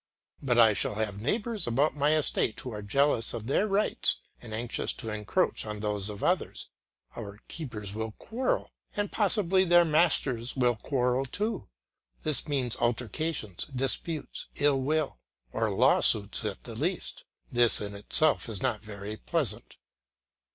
But I shall have neighbours about my estate who are jealous of their rights and anxious to encroach on those of others; our keepers will quarrel, and possibly their masters will quarrel too; this means altercations, disputes, ill will, or law suits at the least; this in itself is not very pleasant.